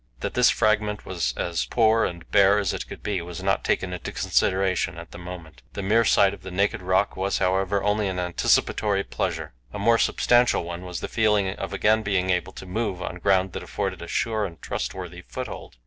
That this fragment was as poor and bare as it could be was not taken into consideration at the moment. The mere sight of the naked rock was, however, only an anticipatory pleasure. A more substantial one was the feeling of again being able to move on ground that afforded a sure and trustworthy foothold.